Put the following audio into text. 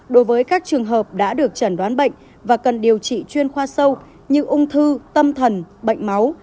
đối với các trường hợp đã được chẩn đoán bệnh và cần điều trị chuyên khoa sâu như ung thư tâm thần bệnh máu